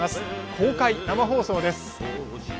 公開生放送です。